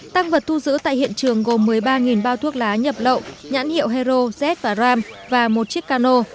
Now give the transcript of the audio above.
tăng vật thu giữ tại hiện trường gồm một mươi ba bao thuốc lá nhập lậu nhãn hiệu hero z và ram và một chiếc cano